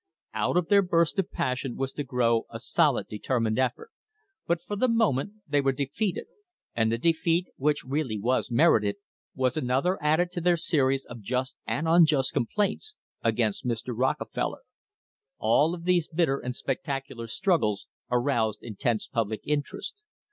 Out of their burst of passion was to grow a solid determined effort, but for the moment they were de feated, and the defeat, which really was merited, was another added to their series of just and unjust complaints against Mr. Rockefeller. All of these bitter and spectacular struggles aroused intense public interest.